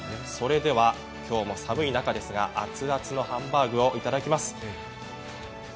それでは、今日も寒い中ですが熱々のハンバーグをいただきます。